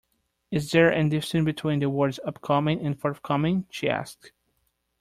Is there any difference between the words Upcoming and forthcoming? she asked